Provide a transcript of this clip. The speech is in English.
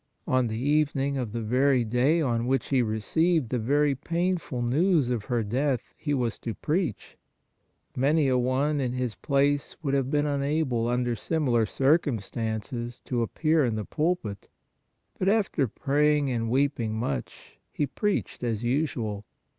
On the evening of the very day on which he received the very painful news of her death he was to preach. Many a one, in his place, would have been unable, under similar circumstances, to appear in the pulpit; but after praying and weeping ii8 PRAYER much, he preached as usual.